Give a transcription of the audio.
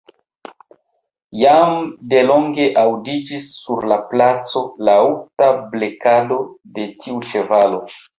Jam de longe aŭdiĝis sur la placo laŭta blekado de tiu ĉevalo.